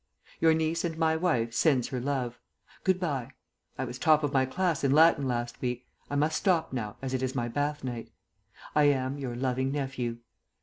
"Your niece and my wife sends her love. Good bye. I was top of my class in Latin last week. I must now stop, as it is my bath night. "I am, "Your loving "NEPHEW."